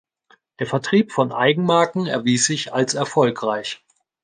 Der Vertrieb von Eigenmarken erwies sich als erfolgreich.